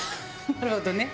なるほどね。